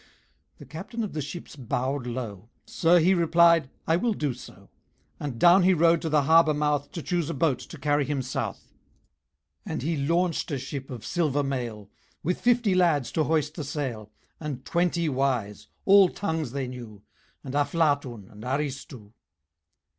The Captain of the Ships bowed low. "Sir," he replied, "I will do so." And down he rode to the harbour mouth, To choose a boat to carry him South. And he launched a ship of silver mail, With fifty lads to hoist the sail, And twenty wise all tongues they knew, And Aflatun, and Aristu.